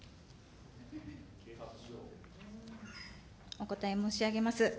お答え申し上げます。